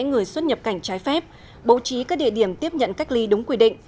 người xuất nhập cảnh trái phép bố trí các địa điểm tiếp nhận cách ly đúng quy định